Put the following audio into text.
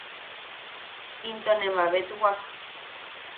Into ne mabetwak.